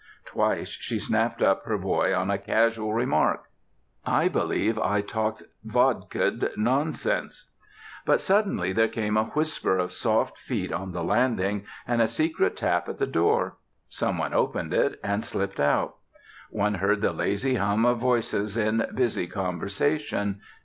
Twice she snapped up her boy on a casual remark. I believe I talked vodka'd nonsense.... But suddenly there came a whisper of soft feet on the landing, and a secret tap at the door. Some one opened it, and slipped out. One heard the lazy hum of voices in busy conversation.